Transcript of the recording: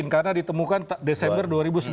karena ditemukan desember dua ribu sembilan belas